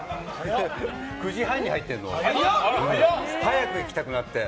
９時半に入ってるの。早く行きたくなって。